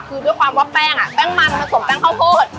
คือความว่าแป้งอะแป้งมันผสมแป้งข้าวโภษ